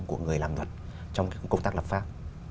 của người làm luật trong công tác lập pháp